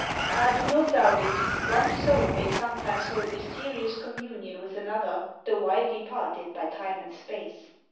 Ah ! do not doubt it ; one soul may some times hold mysterious communion with another, though widely parted by time and space.